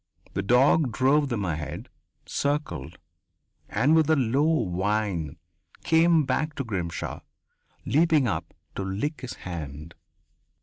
The dog drove them ahead, circled, and with a low whine came back to Grimshaw, leaping up to lick his hand.